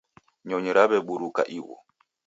Nyonyi raweburuka ighu.